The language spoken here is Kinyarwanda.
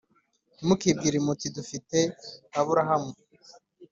Ntimukibwire muti ‘Dufite Aburahamu,